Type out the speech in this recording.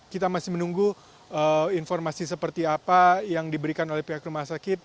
kita masih menunggu informasi seperti apa yang diberikan oleh pihak rumah sakit